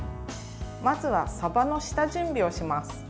まずは、さばの下準備をします。